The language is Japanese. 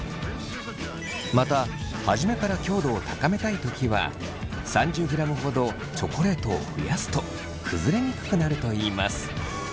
また初めから強度を高めたい時は３０ｇほどチョコレートを増やすと崩れにくくなるといいます。